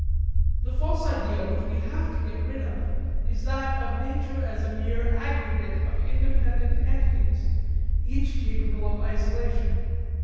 The false idea which we have to get rid of is that of nature as a mere aggregate of independent entities, each capable of isolation.